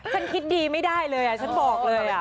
ฉันคิดดีไม่ได้เลยฉันบอกเลย